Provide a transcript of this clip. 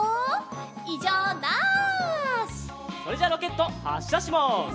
それじゃあロケットはっしゃします。